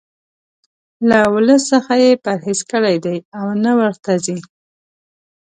له ولس څخه یې پرهیز کړی دی او نه ورته ځي.